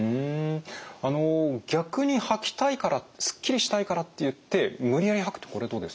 あの逆に吐きたいからすっきりしたいからっていって無理やり吐くってこれどうですか？